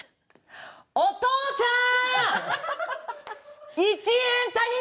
お父さん？